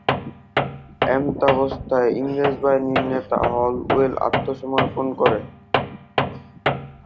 এমতাবস্থায় ইংরেজ বাহিনীর নেতা হলওয়েল আত্মসমর্পণ করেন।